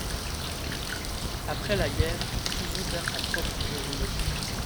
Après la guerre, Suzu perd sa propre raison de vivre.